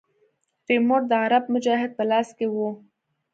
ريموټ د عرب مجاهد په لاس کښې و.